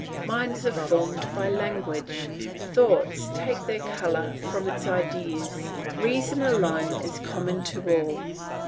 Minds are formed by language, thoughts take their colour from its ideas. Reason alone is common to all.